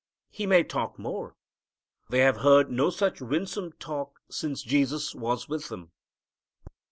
He may talk more. They have heard no such winsome talk since Jesus was with them.